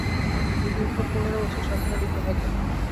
তিনি দীর্ঘ পনেরো বছর সাধনায় লিপ্ত থাকেন।